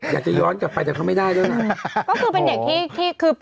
อยากย้อนจากไปแต่ยังเข้าไม่ได้สิค่ะ